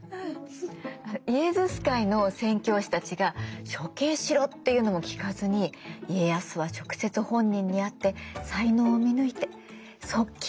イエズス会の宣教師たちが「処刑しろ！」って言うのも聞かずに家康は直接本人に会って才能を見抜いて側近に採用する。